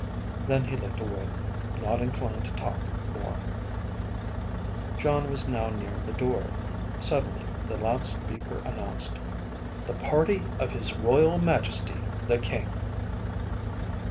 Then he looked away, not inclined to talk more.) Jon was now near the door. Suddenly the loudspeaker announced: "The Party of His Royal Majesty, the King."